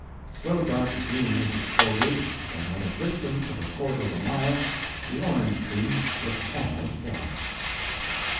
So dark a green is its foliage, that at a distance of a quarter of a mile the orange tree looks almost black.